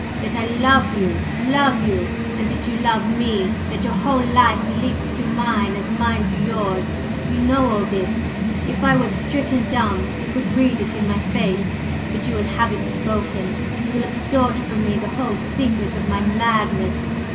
That I love you, love you! And that you love me! That your whole life leaps to mine as mine to yours! You know all this; if I were stricken dumb, you could read it in my face, but you will have it spoken you will extort from me the whole secret of my madness!